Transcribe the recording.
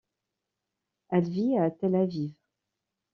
Elle vit à Tel Aviv.